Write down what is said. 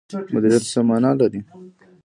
مدیریت څه مانا لري؟